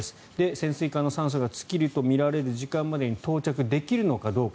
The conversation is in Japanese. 潜水艦の酸素が尽きるとみられる時間までに到着できるのかどうか。